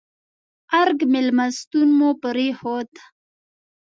ارګ مېلمستون مو پرېښود.